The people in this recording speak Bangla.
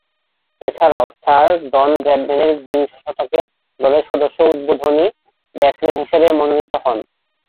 এছাড়াও স্যার ডন ব্র্যাডম্যানের বিংশ শতকের দলের সদস্যসহ উদ্বোধনী ব্যাটসম্যান হিসেবে মনোনীত হন।